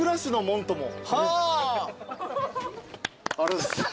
ありがとうございます。